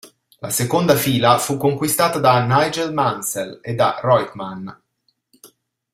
La seconda fila fu conquistata da Nigel Mansell e da Reutemann.